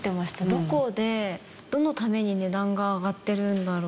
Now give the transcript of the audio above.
どこでどのために値段が上がってるんだろうって。